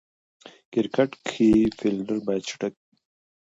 کرکټ کښي فېلډر باید چټک يي.